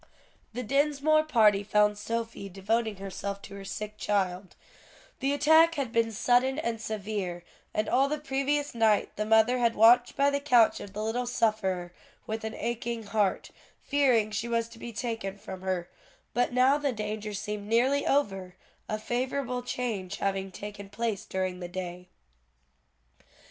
The Dinsmore party found Sophie devoting herself to her sick child; the attack had been sudden and severe, and all the previous night the mother had watched by the couch of the little sufferer with an aching heart, fearing she was to be taken from her; but now the danger seemed nearly over, a favorable change having taken place during the day.